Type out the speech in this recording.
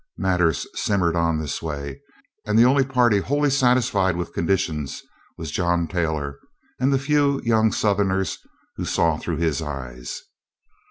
Matters simmered on in this way, and the only party wholly satisfied with conditions was John Taylor and the few young Southerners who saw through his eyes.